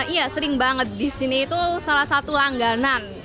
iya sering banget disini itu salah satu langganan